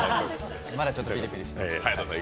まだちょっとピリピリしていますね。